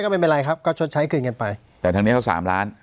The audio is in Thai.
ไม่เป็นไรครับก็ชดใช้คืนกันไปแต่ทางนี้เขาสามล้าน